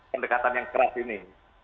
pendekatan yang keras ini